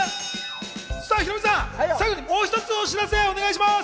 ヒロミさん、もう一つお知らせをお願いします。